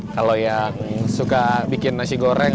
kalau yang suka bikin nasi goreng